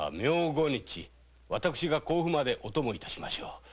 私が甲府までお供致しましょう。